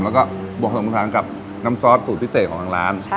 แล้วก็บวกสมทานกับน้ำซอสสูตรพิเศษของทางร้าน